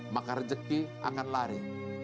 maka rejeki akan lari